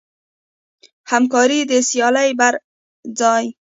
همکاري د سیالۍ پر ځای.